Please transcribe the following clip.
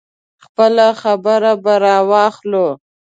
خپله خبره به راواخلو.